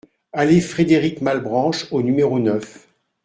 Allée Frédéric Malbranche au numéro neuf